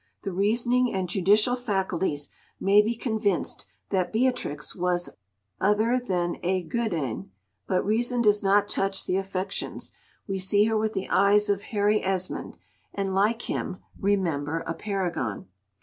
The reasoning and judicial faculties may be convinced that Beatrix was "other than a guid ane," but reason does not touch the affections; we see her with the eyes of Harry Esmond, and, like him, "remember a paragon."